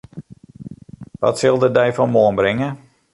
Wat sil de dei fan moarn bringe?